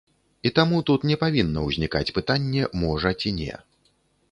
І таму тут не павінна ўзнікаць пытанне, можа ці не.